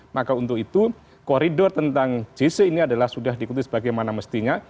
maka untuk itu koridor tentang jc ini adalah sudah diikuti sebagaimana mestinya